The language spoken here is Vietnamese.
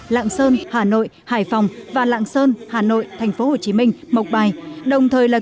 lạng sơn hà nội hải phòng và lạng sơn hà nội thành phố hồ chí minh mọc bài